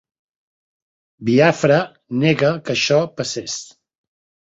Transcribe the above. Biafra nega que això passés.